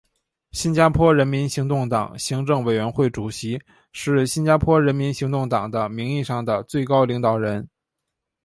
新加坡人民行动党行政委员会主席是新加坡人民行动党的名义上的最高领导人。